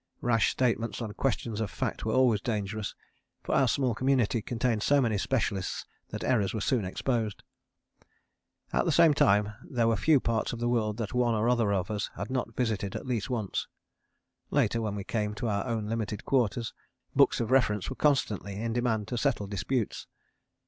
Rash statements on questions of fact were always dangerous, for our small community contained so many specialists that errors were soon exposed. At the same time there were few parts of the world that one or other of us had not visited at least once. Later, when we came to our own limited quarters, books of reference were constantly in demand to settle disputes.